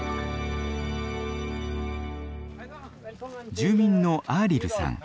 住民のアーリルさん。